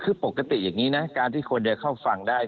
คือปกติอย่างนี้นะการที่คนจะเข้าฝั่งได้